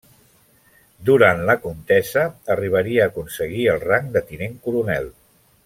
Durant la contesa arribaria a aconseguir el rang de tinent coronel.